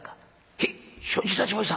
「へえ承知いたしました」。